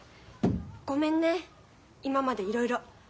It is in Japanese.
ごめんね今までいろいろ。